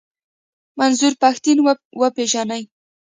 منظور پښتين و پېژنئ.